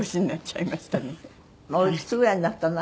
おいくつぐらいになったの？